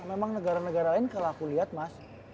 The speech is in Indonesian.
memang negara negara lain kalau aku lihat mas